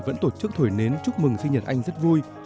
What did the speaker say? vẫn tổ chức thổi nến chúc mừng sinh nhật anh rất vui